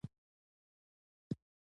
زه له مرستي څخه شرم نه لرم.